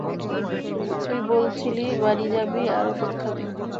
তুই বলছিলি বাড়ী যাবি আর ওষুধ খাবি।